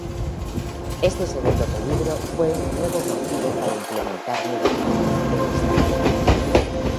Este segundo peligro fue un nuevo motivo para implementar nuevamente el establecimiento.